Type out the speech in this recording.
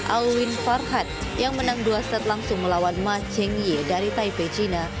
alwin farhad yang menang dua set langsung melawan ma cheng yee dari taipei cina